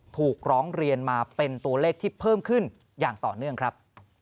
ถูกร้องเรียนมาเป็นตัวเลขที่เพิ่มขึ้นอย่างต่อเนื่องครับ